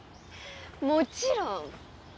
もちろん！